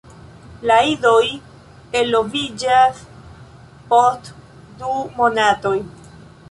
La idoj eloviĝas post du monatoj.